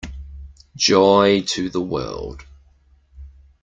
Joy to the world.